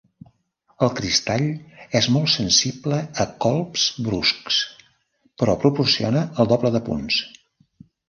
El cristall és molt sensible a colps bruscs, però proporciona el doble de punts.